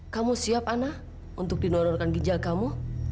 kamu siap ana untuk dinororkan ginjal kamu